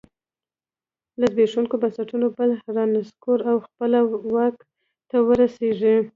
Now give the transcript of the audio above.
له زبېښونکو بنسټونو بل رانسکور او خپله واک ته ورسېږي.